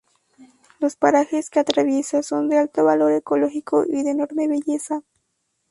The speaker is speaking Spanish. Los parajes que atraviesa son de alto valor ecológico y de enorme belleza.